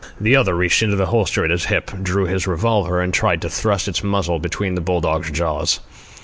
The other reached into the holster at his hip, drew his revolver, and tried to thrust its muzzle between the bull dog's jaws.